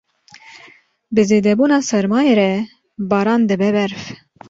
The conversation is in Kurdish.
Bi zêdebûna sermayê re, baran dibe berf.